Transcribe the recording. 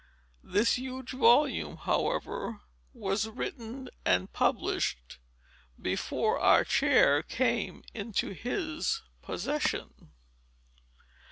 This huge volume, however, was written and published before our chair came into his possession.